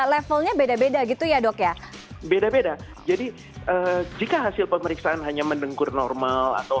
levelnya beda beda gitu ya dok ya beda beda jadi jika hasil pemeriksaan hanya mendengkur normal atau